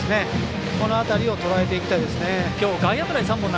この辺りをとらえていきたいですね。